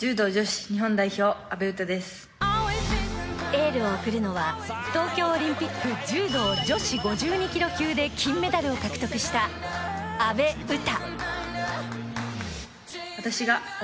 エールを送るのは東京オリンピック柔道女子５２ｋｇ級で金メダルを獲得した阿部詩。